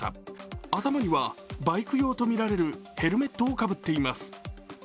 頭にはバイク用とみられるヘルメットをかぶっています。